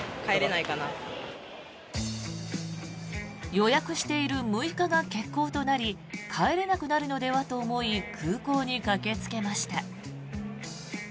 予約している６日が欠航となり帰れなくなるのではと思い空港に駆けつけました。